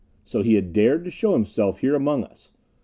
So he had dared to show himself here among us!